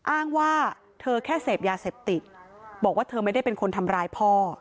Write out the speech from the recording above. อ้างว่าเธอแค่เสพยาเสพติดบอกว่าเธอไม่ได้เป็นคนทำร้ายพ่อ